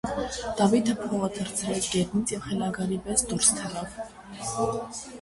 Դավիթը փողը թռցրեց գետնից և խելագարի պես դուրս թռավ…